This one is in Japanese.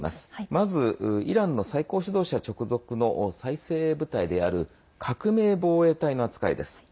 まずイランの最高指導者直属の最精鋭部隊である革命防衛隊の扱いです。